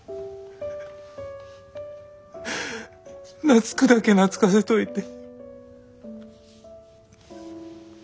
懐くだけ懐かせといて。